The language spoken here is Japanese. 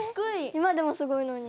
今でもすごいのに。